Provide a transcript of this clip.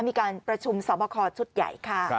มีการประชุมสอบคอชุดใหญ่ค่ะ